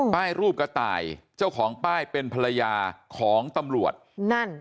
ป้ายรูปกระต่ายเจ้าของป้ายเป็นภรรยาของตำรวจนั่น